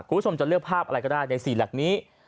คุณผู้ชมจะเลือกภาพอะไรก็ได้ใน๔หลักนี้